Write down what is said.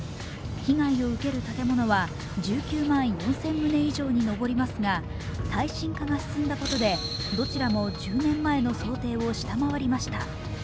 被害を受ける建物は１９万４０００棟以上に上りますが、耐震化が進んだことで、どちらも１０年前の想定を下回りました。